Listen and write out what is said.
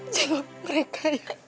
jawab mereka ya